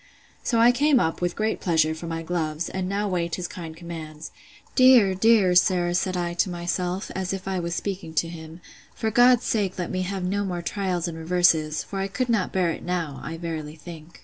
So I came up, with great pleasure, for my gloves: and now wait his kind commands. Dear, dear sir! said I to myself, as if I was speaking to him, for God's sake let me have no more trials and reverses; for I could not bear it now, I verily think!